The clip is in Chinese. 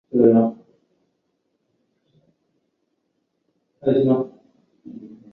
拉维尼。